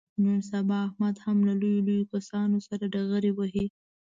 نن سبا احمد هم له لویو لویو کسانو سره ډغرې وهي.